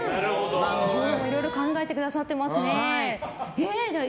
今日もいろいろ考えてくださっていますね。